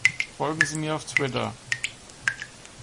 Folgen Sie mir auf Twitter!